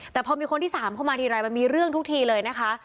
แต่พอมีคนที่๓เข้ามาทีไรมันมีเรื่องทุกทีเลยนะคะ